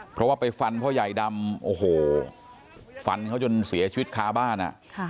เพราะว่าไปฟันพ่อใหญ่ดำโอ้โหฟันเขาจนเสียชีวิตค้าบ้านอ่ะ